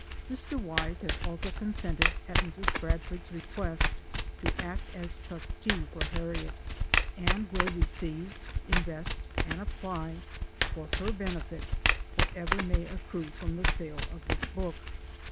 Mr. Wise has also consented, at Mrs. Bradford's request, to act as trustee for Harriet ; and will receive, invest, and apply, for her benefit, whatever may accrue from the sale of this book.